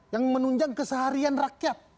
yang menunjang keseharian rakyat